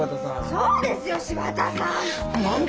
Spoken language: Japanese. そうですよ柴田さん！